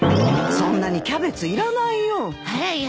そんなにキャベツいらないよ。